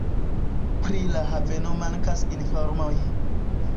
Pri la haveno mankas informoj.